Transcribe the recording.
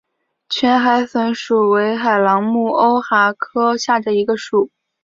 全海笋属为海螂目鸥蛤科下的一个属。